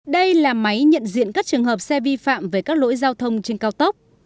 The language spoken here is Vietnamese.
đây là máy nhận diện các trường hợp xe vi phạm về các lỗi giao thông trên cao tốc